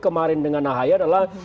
kemarin dengan nahaya adalah